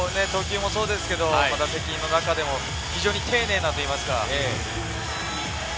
投球もそうですけど、責任の中でも、非常に丁寧なといいますか。